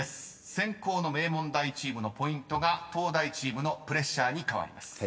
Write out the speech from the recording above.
先攻の名門大チームのポイントが東大チームのプレッシャーに変わります］